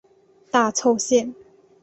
大凑线。